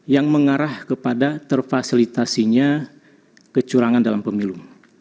yang mengarah kepada terfasilitasinya kecurangan dalam pemilu